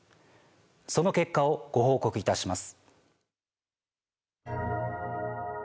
その結果をご報告いたします。